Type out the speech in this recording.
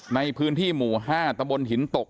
ในพื้นที่หมู่๕ตะบนหินตก